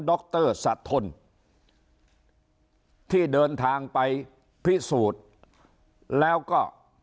ดรสะทนที่เดินทางไปพิสูจน์แล้วก็